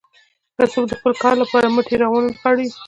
که څوک د خپل کار لپاره مټې راونه نغاړي.